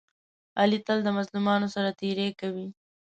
علي تل د مظلومانو سره تېری کوي.